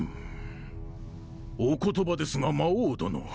お言葉ですが魔王殿。